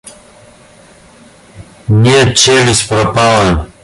Нет, челюсть пропала.